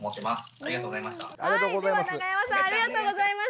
ありがとうございます。